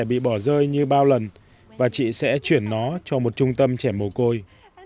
bị bỏ rơi như bao lần và chị sẽ chuyển nó cho một trung tâm trẻ mồ côi